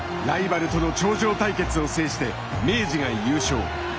ライバルとの頂上対決を制して明治が優勝。